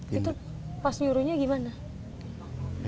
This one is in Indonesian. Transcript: itu pas nyuruhnya gimana